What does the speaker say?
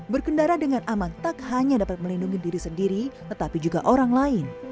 berkendara dengan aman tak hanya dapat melindungi diri sendiri tetapi juga orang lain